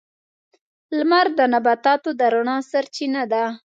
• لمر د نباتاتو د رڼا سرچینه ده.